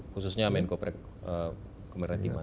khususnya menko pemerinti mana